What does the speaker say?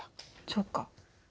そっか。